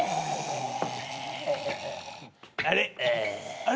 あれ？